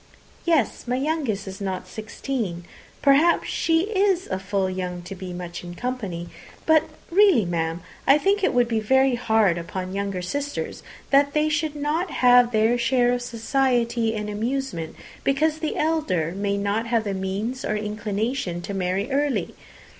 "Yes, my youngest is not sixteen. Perhaps she is full young to be much in company. But really, ma'am, I think it would be very hard upon younger sisters that they should not have their share of society and amusement, because the elder may not have the means or inclination to marry early.